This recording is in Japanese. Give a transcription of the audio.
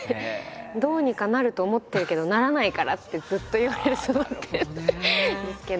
「どうにかなると思ってるけどならないから！」ってずっと言われて育ってるんですけど。